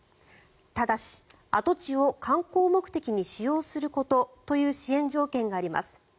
ただし、跡地を観光目的に使用することという支援条件があります。